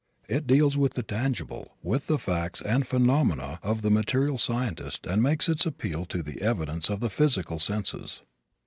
It deals with the tangible, with the facts and phenomena of the material scientist and makes its appeal to the evidence of the physical senses.